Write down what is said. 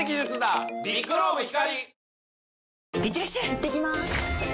いってきます！